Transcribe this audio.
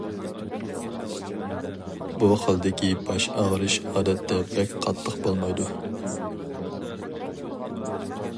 بۇ خىلدىكى باش ئاغرىش ئادەتتە بەك قاتتىق بولمايدۇ.